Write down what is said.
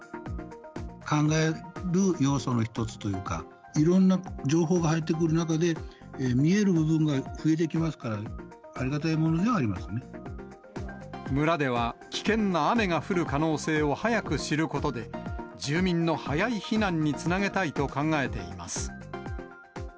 考える要素の一つというか、いろんな情報が入ってくる中で、見える部分が増えてきますから、村では、危険な雨が降る可能性を早く知ることで、住民の早い避難につなげたいと考えています。